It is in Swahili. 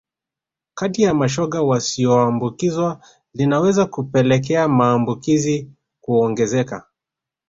kati ya mashoga wasioambukizwa linaweza kupelekea maambukizi kuongezeka